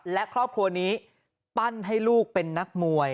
และครอบครัวนี้ปั้นให้ลูกเป็นนักมวย